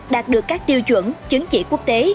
đạt được các tiêu chuẩn chứng chỉ quốc tế